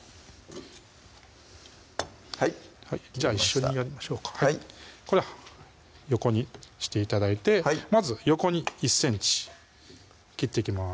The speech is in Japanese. はいじゃあ一緒にやりましょうかこれ横にして頂いてまず横に１ｃｍ切っていきます